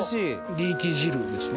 リーキ汁ですね。